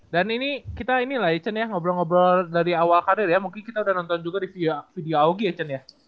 dan ini kita ini lah ya chen ya ngobrol ngobrol dari awal karir ya mungkin kita udah nonton juga di video augi ya chen ya